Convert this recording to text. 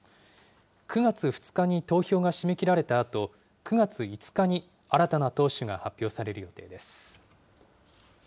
９月２日に投票が締め切られたあと、９月５日に新たな党首が発表される予定です。